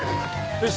よし。